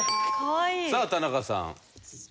さあ田中さん。